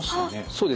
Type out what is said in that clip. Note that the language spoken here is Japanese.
そうです